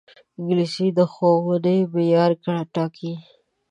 انګلیسي د ښوونې معیار ټاکي